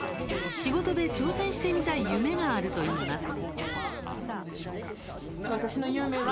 仕事で挑戦してみたい夢があるといいます。